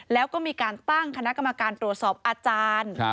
แล้วก็มีการตั้งคณะกรรมการตรวจสอบอาจารย์